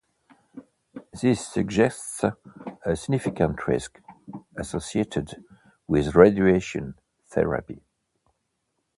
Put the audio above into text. This suggests a significant risk associated with radiation therapy.